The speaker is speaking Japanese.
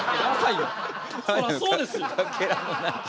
そらそうですよ。